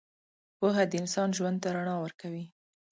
پوهه د انسان ژوند ته رڼا ورکوي.